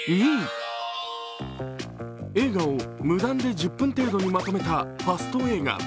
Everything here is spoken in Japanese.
映画を無断で１０分程度にまとめたファスト映画。